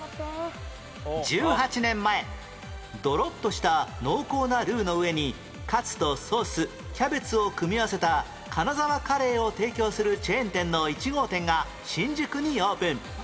１８年前ドロッとした濃厚なルーの上にカツとソースキャベツを組み合わせた金沢カレーを提供するチェーン店の１号店が新宿にオープン